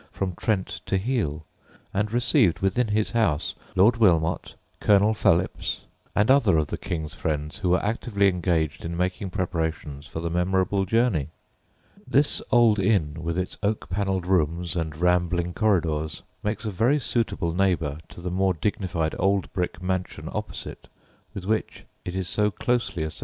from Trent to Heale, and received within his house Lord Wilmot, Colonel Phelips, and other of the King's friends who were actively engaged in making preparations for the memorable journey. This old inn, with its oak panelled rooms and rambling corridors, makes a very suitable neighbour to the more dignified old brick mansion opposite, with which it is so closely associated.